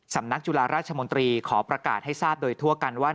สำนักจุฬาราชมนตรีขอประกาศให้ทราบโดยทั่วกันว่า